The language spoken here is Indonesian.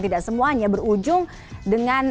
tidak semuanya berujung dengan